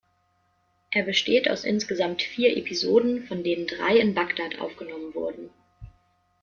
Er besteht aus insgesamt vier Episoden, von denen drei in Bagdad aufgenommen wurden.